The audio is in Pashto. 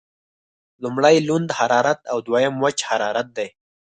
لمړی لوند حرارت او دویم وچ حرارت دی.